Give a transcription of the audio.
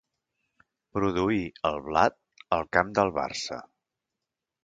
Produir, el blat, al camp del Barça.